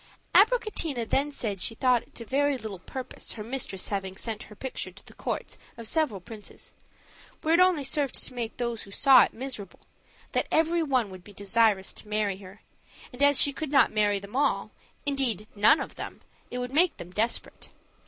Abricotina then said she thought it was to very little purpose her mistress having sent her picture to the courts of several princes, where it only served to make those who saw it miserable; that every one would be desirous to marry her, and as she could not marry them all, indeed none of them, it would make them desperate.